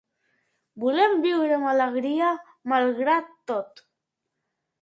Volem viure amb alegria, malgrat tot.